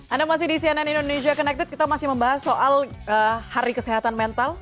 anda masih di cnn indonesia connected kita masih membahas soal hari kesehatan mental